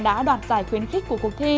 đã đoạt giải khuyến khích của cuộc thi